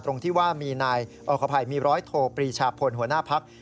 ตรงที่ว่ามีนายขออภัยมีร้อยโทปรีชาพลหัวหน้าพัก